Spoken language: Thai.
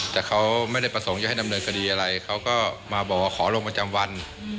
แต่เขาไม่ได้ประสงค์จะให้ดำเนินคดีอะไรเขาก็มาบอกว่าขอลงประจำวัน